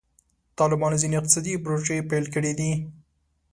طالبانو ځینې اقتصادي پروژې پیل کړي دي.